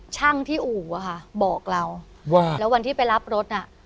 ช่างที่อู่อะค่ะบอกเราว่าแล้ววันที่ไปรับรถน่ะ